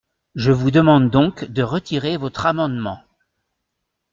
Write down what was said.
Je vous demande donc de retirer votre amendement.